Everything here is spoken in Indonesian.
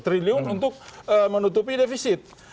triliun untuk menutupi defisit